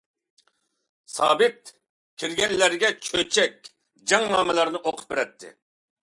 سابىت كىرگەنلەرگە چۆچەك، جەڭنامىلەرنى ئوقۇپ بېرەتتى.